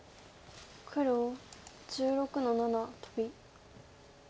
黒１６の七トビ。